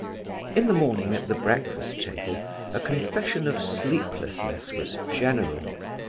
In the morning, at the breakfast table, a confession of sleeplessness was general.